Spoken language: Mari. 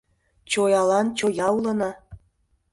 Чоялан чоя улына.